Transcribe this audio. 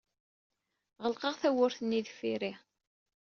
Ɣelqeɣ tawwurt-nni deffir-i.